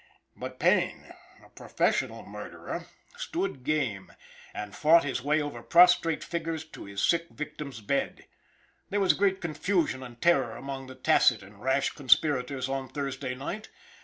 But Payne, a professional murderer, stood "game," and fought his way over prostrate figures to his sick victim's bed. There was great confusion and terror among the tacit and rash conspirators on Thursday night.